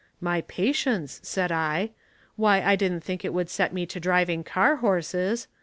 ' My patience,' said I. Why, I didn't think it would set me to driving car horses